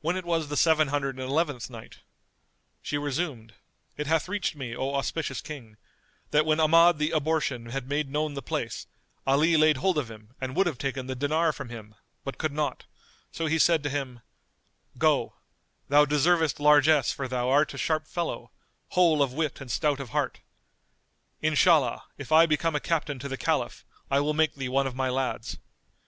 When it was the Seven Hundred and Eleventh Night, She resumed, It hath reached me, O auspicious King, that when Ahmad the Abortion had made known the place, Ali laid hold of him and would have taken the dinar from him, but could not; so he said to him, "Go: thou deservest largesse for thou art a sharp fellow, whole of wit and stout of heart. Inshallah, if I become a captain to the Caliph, I will make thee one of my lads."